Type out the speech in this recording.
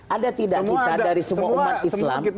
ada tidak kita dari semua umat islam